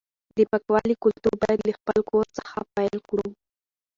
د پاکوالي کلتور باید له خپل کور څخه پیل کړو.